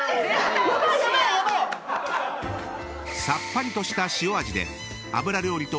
［さっぱりとした塩味で］